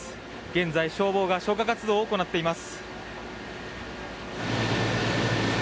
現在、消防が消火活動を行っています。